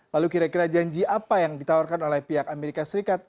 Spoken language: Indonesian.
lalu kira kira janji apa yang ditawarkan oleh pihak amerika serikat